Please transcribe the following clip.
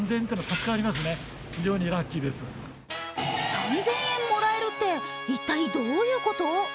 ３０００円もらえるって一体どういうこと？